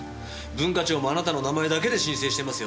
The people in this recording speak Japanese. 文化庁もあなたの名前だけで申請していますよね？